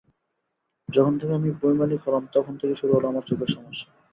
যখন থেকে আমি বৈমানিক হলাম তখন থেকেই শুরু হলো আমার চোখের সমস্যা।